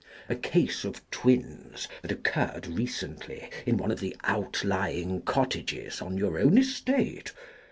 A case of twins that occurred recently in one of the outlying cottages on your own estate.